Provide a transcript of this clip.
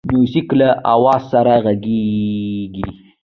موزیک له آواز سره غږیږي.